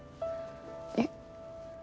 えっ。